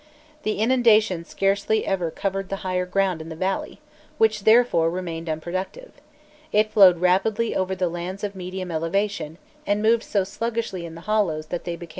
The inundation scarcely ever covered the higher ground in the valley, which therefore remained unproductive; it flowed rapidly over the lands of medium elevation, and moved so sluggishly in the hollows that they became weedy and stagnant pools.